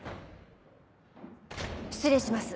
失礼します